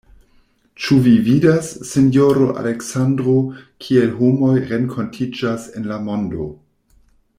Ĉu vi vidas, sinjoro Aleksandro, kiel homoj renkontiĝas en la mondo!